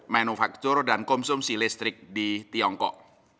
manufaktur dan konsumsi listrik di tiongkok